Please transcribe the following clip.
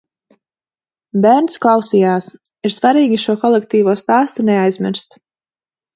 Bērns klausījās. Ir svarīgi šo kolektīvo stāstu neaizmirst.